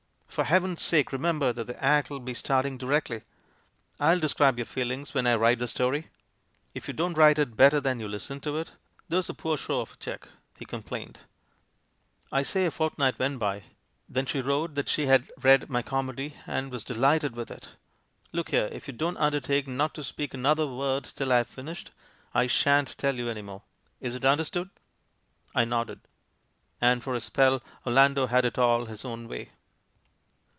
"For heaven's sake, remember that the act'll be starting directly. I'll describe your feelings when I write the story." "If you don't write it better than you listen to it, there's a poor show of a cheque," he com plained. "I say a fortnight went by. Then she FRANKENSTEIN II 57 wrote that she had i ead my comedy and was 'de lighted with it.' Look here! if you don't under take not to speak another word till I've finished, I shan't tell you any more. Is it understood?" I nodded. And for a speU Orlando had it all his own way.